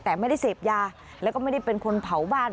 แต่ไม่ได้เสพยาแล้วก็ไม่ได้เป็นคนเผาบ้าน